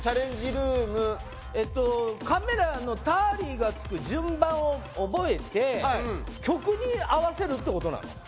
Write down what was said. ルームえっとカメラのタリーがつく順番を覚えて曲に合わせるってことなの？